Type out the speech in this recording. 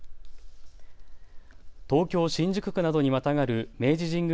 東京新宿区などにまたがる明治神宮